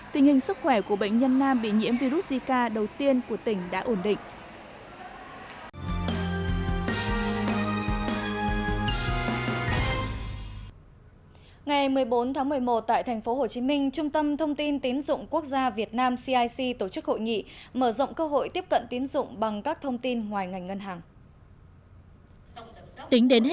tình hình sức khỏe của bệnh nhân nam bị nhiễm virus zika đầu tiên của tỉnh đã ổn định